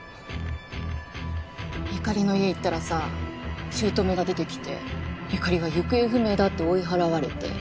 由香里の家行ったらさ姑が出てきて由香里は行方不明だって追い払われて。